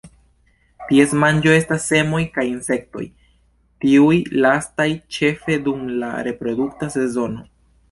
Ties manĝo estas semoj kaj insektoj, tiuj lastaj ĉefe dum la reprodukta sezono.